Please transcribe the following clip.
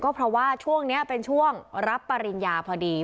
เพราะว่าช่วงนี้เป็นช่วงรับปริญญาพอดี